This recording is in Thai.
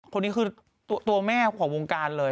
คนนี้คือตัวแม่ของวงการเลย